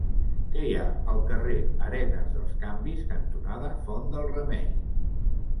Què hi ha al carrer Arenes dels Canvis cantonada Font del Remei?